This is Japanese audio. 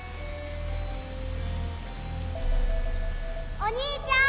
お兄ちゃん！